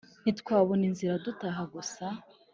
ntitwabona inzira dutaha gusa